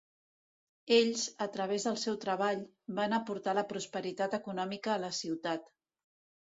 Ells, a través del seu treball, van aportar la prosperitat econòmica de la ciutat.